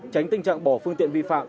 tránh tình trạng bỏ phương tiện vi phạm